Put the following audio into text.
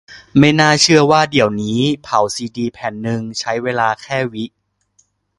ไม่น่าเชื่อว่าเดี๋ยวนี้เผาซีดีแผ่นนึง ใช้เวลาแค่ วิ